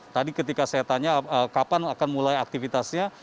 tadi ketika saya tanya kapan akan mulai aktivitasnya